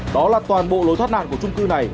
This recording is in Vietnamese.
đó là toàn bộ lối thoát nạn của trung cư này